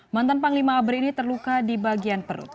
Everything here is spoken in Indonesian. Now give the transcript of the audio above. mantan panglima abri ini terluka di bagian perut